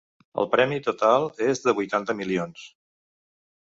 El premi total és de vuitanta milions.